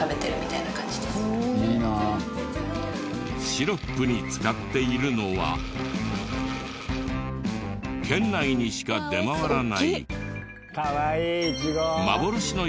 シロップに使っているのは県内にしか出回らない。